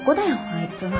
あいつは。